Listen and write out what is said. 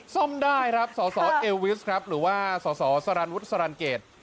ซ่อมได้ครับสสเอลวิสครับหรือว่าสสสารันวุฒิสรรเกต